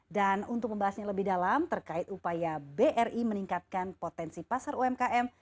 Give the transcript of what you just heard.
untuk membahasnya lebih dalam terkait upaya bri meningkatkan potensi pasar umkm